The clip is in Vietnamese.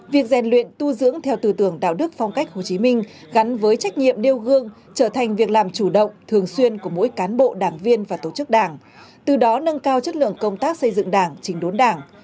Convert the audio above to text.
việc rèn luyện tu dưỡng theo tư tưởng đạo đức phong cách hồ chí minh gắn với trách nhiệm đeo gương trở thành việc làm chủ động thường xuyên của mỗi cán bộ đảng viên và tổ chức đảng từ đó nâng cao chất lượng công tác xây dựng đảng trình đốn đảng